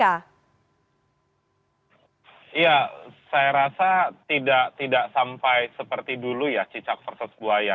iya saya rasa tidak sampai seperti dulu ya cicak versus buaya